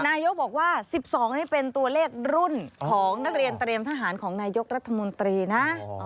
นายกบอกว่า๑๒นี่เป็นตัวเลขรุ่นของนักเรียนเตรียมทหารของนายกรัฐมนตรีนะ